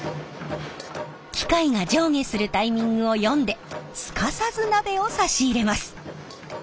機械が上下するタイミングを読んですかさず鍋を差し入れます。